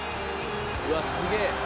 「うわっすげえ」